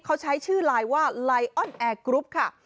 เขาใช้ชื่อไลน์ว่าไลออนแอร์กรุ๊ปค่ะ